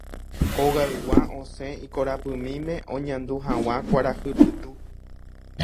Ogaygua osẽ ikorapymíme oñandu hag̃ua kuarahy pytu